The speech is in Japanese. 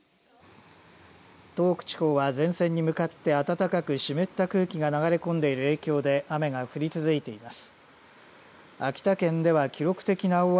東北地方は前線に向かって暖かく湿った空気が流れ込んでいる影響で雨が降り続いています。